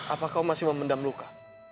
apa kau masih memendam luka